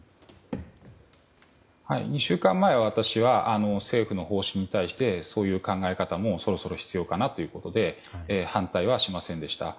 ２週間前、私は政府の方針に対してそういう考え方もそろそろ必要かなということで反対はしませんでした。